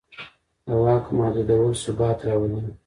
د واک محدودول ثبات راولي